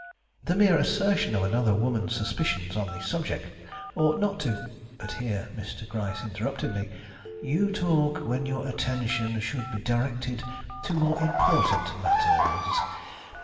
The mere assertion of another woman's suspicions on the subject ought not " But here Mr. Gryce interrupted me. "You talk when your attention should be directed to more important matters.